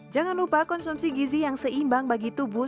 jangan lupa konsumsi gizi yang seimbang bagi tubuh